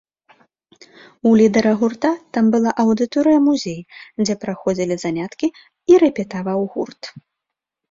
У лідара гурта там была аўдыторыя-музей, дзе праходзілі заняткі і рэпетаваў гурт.